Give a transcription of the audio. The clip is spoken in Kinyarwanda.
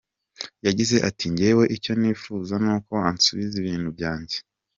Yagize ati “Njyewe icyo nifuza nuko ansubiza ibintu byanjye.